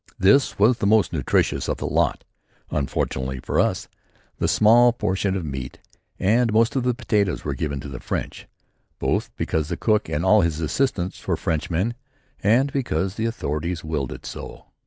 This was the most nutritious of the lot. Unfortunately for us, the small portion of meat and most of the potatoes were given to the French, both because the cook and all his assistants were Frenchmen and because the authorities willed it so.